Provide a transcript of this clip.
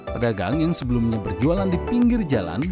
pedagang yang sebelumnya berjualan di pinggir jalan